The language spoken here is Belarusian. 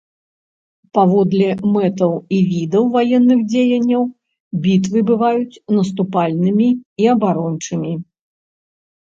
Паводле мэтаў і відаў ваенных дзеянняў бітвы бываюць наступальнымі і абарончымі.